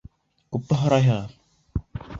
— Күпме һорайһың?